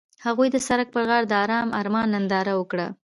هغوی د سړک پر غاړه د آرام آرمان ننداره وکړه.